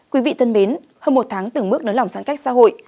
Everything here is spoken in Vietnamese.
quý vị thân mến hơn một tháng từng mức nấn lỏng giãn cách xã hội